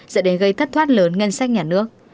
dẫn đến gây thất thoát lớn ngân sách nhà nước